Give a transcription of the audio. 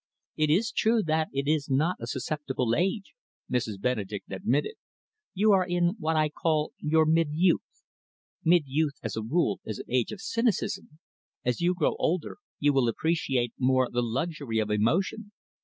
"It is true that it is not a susceptible age," Mrs. Benedek admitted. "You are in what I call your mid youth. Mid youth, as a rule, is an age of cynicism. As you grow older, you will appreciate more the luxury of emotion.